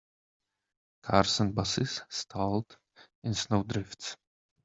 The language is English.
Cars and busses stalled in snow drifts.